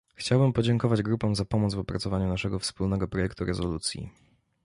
Chciałbym podziękować grupom za pomoc w opracowaniu naszego wspólnego projektu rezolucji